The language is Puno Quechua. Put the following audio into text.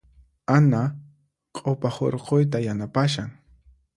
Ana q'upa hurquyta yanapashan.